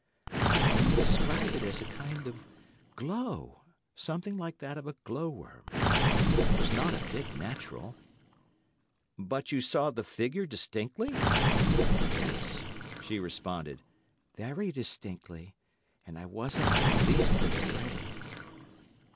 "I can only describe it as a kind of glow, something like that of a glow worm. It was not a bit natural." "But you saw the figure distinctly?" "Yes," she responded, "very distinctly, and I wasn't the least bit afraid."